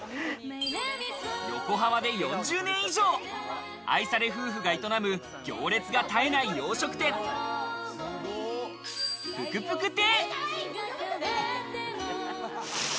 横浜で４０年以上愛され夫婦が営む、行列が絶えない洋食店・プクプク亭。